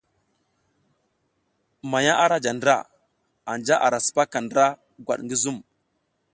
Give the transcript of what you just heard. Manya ara ja ndra, anja ara sipaka ndra gwat ngi zum.